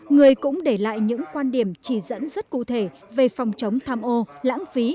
người cũng để lại những quan điểm chỉ dẫn rất cụ thể về phòng chống tham ô lãng phí